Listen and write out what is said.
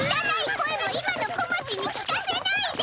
声も今の小町に聞かせないで！